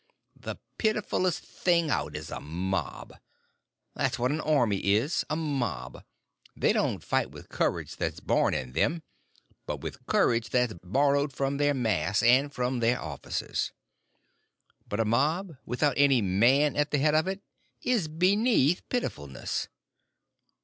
The pitifulest thing out is a mob; that's what an army is—a mob; they don't fight with courage that's born in them, but with courage that's borrowed from their mass, and from their officers. But a mob without any man at the head of it is beneath pitifulness.